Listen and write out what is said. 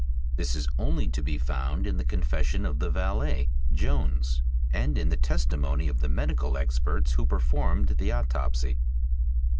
This is only to be found in the confession of the valet Jones and in the testimony of the medical experts who performed the autopsy.